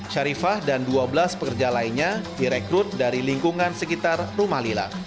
syarifah dan dua belas pekerja lainnya direkrut dari lingkungan sekitar rumah lila